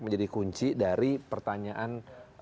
menjadi kunci dari pertanyaan